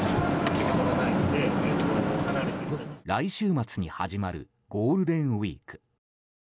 来週末に始まるゴールデンウィーク。